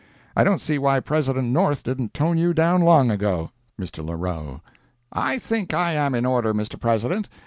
I don't see why President North didn't tone you down long ago." Mr. Larrowe—"I think I am in order, Mr. President.